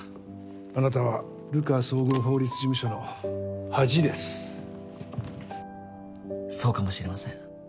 あなたは流川綜合法律事務所の恥ですそうかもしれません。